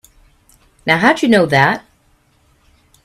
Now how'd you know that?